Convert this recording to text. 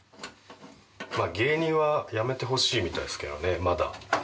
芸人は辞めてほしいみたいですけどね、まだ。